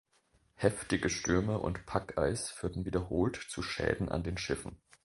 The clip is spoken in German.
Heftige Stürme und Packeis führten wiederholt zu Schäden an den Schiffen.